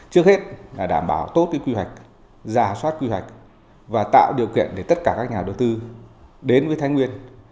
trước hết là đảm bảo tốt quy hoạch giả soát quy hoạch và tạo điều kiện để tất cả các nhà đầu tư đến với thái nguyên